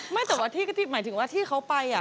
ไม่แต่ว่าที่หมายถึงว่าที่เขาไป